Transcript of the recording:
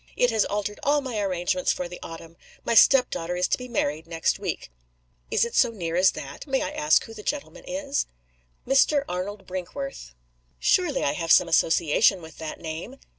It has altered all my arrangements for the autumn. My step daughter is to be married next week." "Is it so near as that? May I ask who the gentleman is?" "Mr. Arnold Brinkworth." "Surely I have some association with that name?"